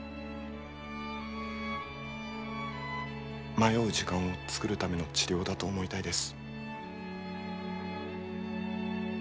迷う時間を作るための治療だと思いたいです。